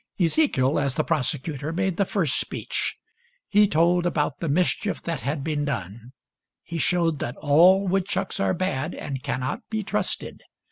Ezekiel, as the prosecutor, made the first speech. He told about the mischief that had been done. He showed that all woodchucks are bad and cannot be trusted.